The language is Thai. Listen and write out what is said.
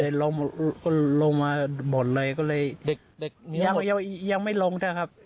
เด็กก็ลงมาหมดเลยก็เลยยังไม่ลงเถอะครับ